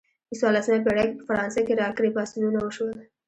په څوارلسمه پیړۍ کې په فرانسه کې راکري پاڅونونه وشول.